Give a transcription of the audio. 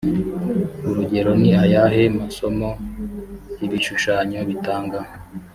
urugero ni ayahe masomo ibishushanyo bitanga